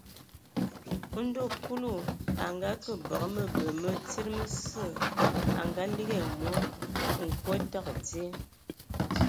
Ndɔ Kulu a ngake bǝgǝ mǝbɛ mǝ tsíd mǝsǝ a ngaligi ai mɔ : nkwe tǝgǝ dzye.